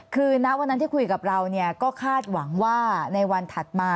คือณวันนั้นที่คุยกับเราก็คาดหวังว่าในวันถัดมา